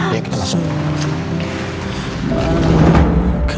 ya kita masuk